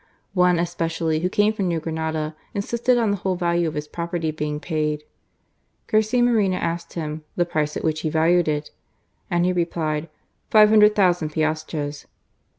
One especially, who came from New Granada, insisted on the whole value of his property being paid. Garcia Moreno asked him "the price at which he valued it ?" and he replied, " 500,000 piastres."